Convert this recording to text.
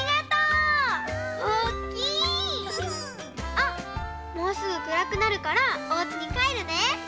あっもうすぐくらくなるからおうちにかえるね！